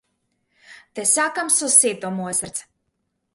Те сакам со сето мое срце.